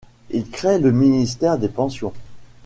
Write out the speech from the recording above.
Il crée le ministère des pensions.